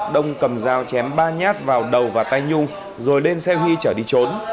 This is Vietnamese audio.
đông cầm dao chém ba nhát vào đầu và tay nhung rồi lên xe huy chở đi trốn